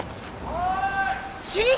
おい！